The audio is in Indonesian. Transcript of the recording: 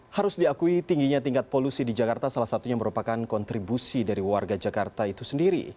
harus diakui tingginya tingkat polusi di jakarta salah satunya merupakan kontribusi dari warga jakarta itu sendiri